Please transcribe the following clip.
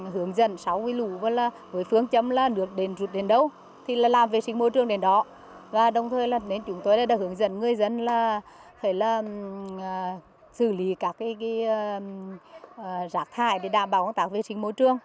hướng dẫn sáu mươi lũ với phương chấm là nước rụt đến đâu làm vệ sinh môi trường đến đó đồng thời chúng tôi đã hướng dẫn người dân xử lý các rác thải để đảm bảo vệ sinh môi trường